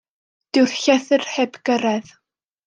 Dyw'r llythyr heb gyrraedd.